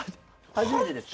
初めてですか？